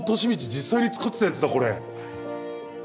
実際に使ってたやつだこれ！